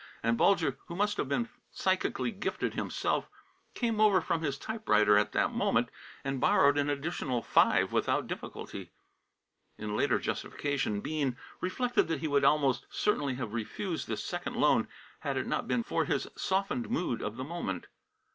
And Bulger, who must have been psychically gifted himself, came over from his typewriter at that moment and borrowed an additional five without difficulty. In later justification, Bean reflected that he would almost certainly have refused this second loan had it not been for his softened mood of the moment.